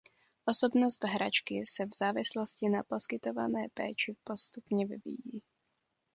Osobnost hračky se v závislosti na poskytované péči postupně vyvíjí.